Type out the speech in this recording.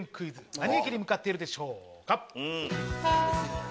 何駅に向かっているでしょうか？